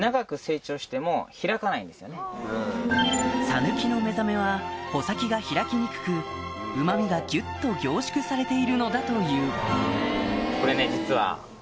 「さぬきのめざめ」は穂先が開きにくくうま味がギュっと凝縮されているのだというこっからでもいいんですけど。